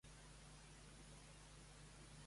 Per quina adaptació al català?